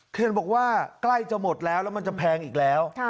เขื่อนบอกว่าใกล้จะหมดแล้วแล้วมันจะแพงอีกแล้ว